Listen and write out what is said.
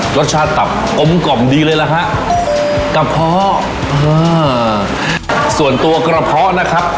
รสชาติตับกลมกล่อมดีเลยล่ะฮะกระเพาะอ่าส่วนตัวกระเพาะนะครับ